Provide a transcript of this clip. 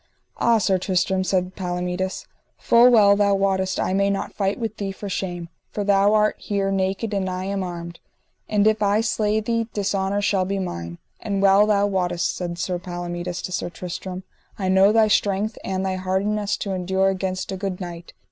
Ah, Sir Tristram, said Palomides, full well thou wottest I may not fight with thee for shame, for thou art here naked and I am armed, and if I slay thee, dishonour shall be mine. And well thou wottest, said Sir Palomides to Sir Tristram, I know thy strength and thy hardiness to endure against a good knight.